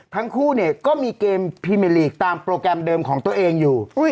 ทั้งคู่เนี่ยก็มีเกมพรีเมอร์ลีกตามโปรแกรมเดิมของตัวเองอยู่